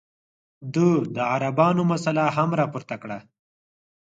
ده د عربانو مسله هم راپورته کړه.